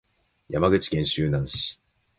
山口県周南市